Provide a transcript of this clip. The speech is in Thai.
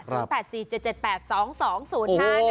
กากหมู